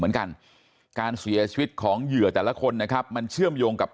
เหมือนกันการเสียชีวิตของเหยื่อแต่ละคนนะครับมันเชื่อมโยงกับ